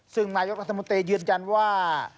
ซึ่งนายกรัฐมนตรียืนยันว่า